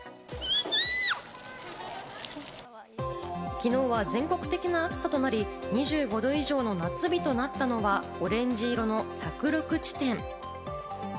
昨日は全国的な暑さとなり、２５度以上の夏日となったのは、オレンジ色の１０６地点。